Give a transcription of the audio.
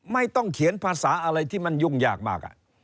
ไม่ต้องเขียนภาษาอะไรที่มันยุ่งยากมาก